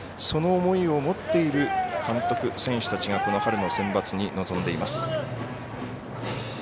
その思いを持っている監督、選手たちがこの春のセンバツに臨んでいます。